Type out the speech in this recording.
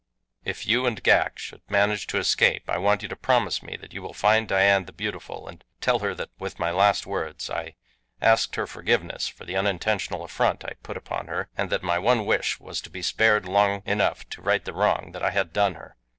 If you and Ghak should manage to escape I want you to promise me that you will find Dian the Beautiful and tell her that with my last words I asked her forgiveness for the unintentional affront I put upon her, and that my one wish was to be spared long enough to right the wrong that I had done her."